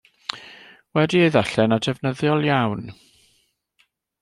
Wedi ei ddarllen a defnyddiol iawn.